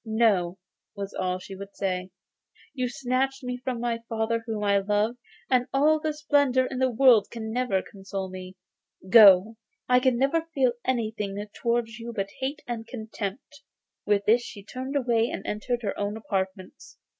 'No,' was all she would say; 'you snatched me from my father whom I loved, and all the splendour in the world can never console me. Go! I can never feel anything towards you but hate and contempt.' With these words she turned away and entered her own apartments.